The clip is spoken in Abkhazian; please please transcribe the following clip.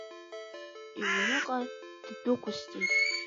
Иҩныҟа ддәықәысҵеит.